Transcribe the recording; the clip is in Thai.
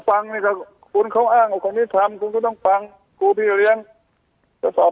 ฟังคุณเขาอ้างว่าคนนี้ทำกูต้องฟังกูพี่เลี้ยงก็สอบ